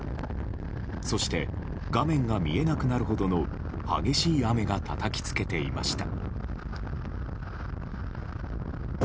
そして画面が見えなくなるほどの激しい雨がたたきつけていました。